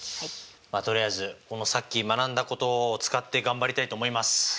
とりあえずさっき学んだことを使って頑張りたいと思います。